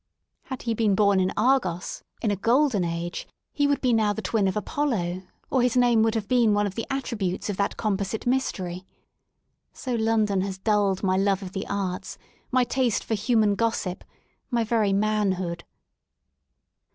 Had he been born in Argos^ 152 REST IN LONDON in a golden age, he would be now the twin of Apollo — or his name would have been one of the attributes of that composite mystery* So London has dulled my love of the arts, my taste for human gossip — my very manhood."